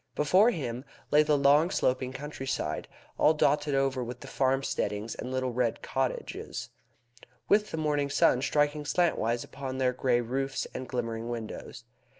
Before him lay the long sloping countryside, all dotted over with the farmsteadings and little red cottages, with the morning sun striking slantwise upon their grey roofs and glimmering windows.